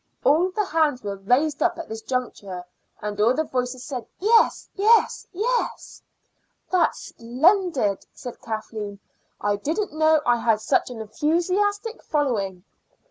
All the hands were raised up at this juncture, and all the voices said: "Yes, yes, yes." "That's splendid," said Kathleen. "I didn't know I had such an enthusiastic following.